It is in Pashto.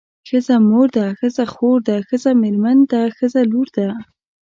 ښځه مور ده ښځه خور ده ښځه مېرمن ده ښځه لور ده.